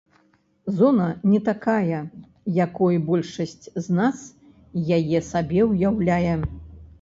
Зона не такая, якой большасць з нас яе сабе ўяўляе.